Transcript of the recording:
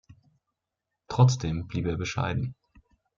Trotzdem blieb er bescheiden.